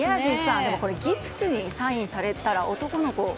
でも、これギプスにサインされたら男の子は。